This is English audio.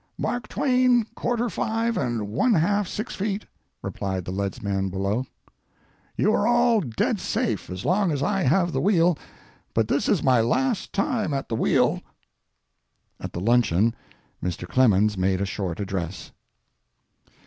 "Mark twain, quarter five and one half six feet!" replied the leadsman below. "You are all dead safe as long as I have the wheel but this is my last time at the wheel." At the luncheon Mr. Clemens made a short address.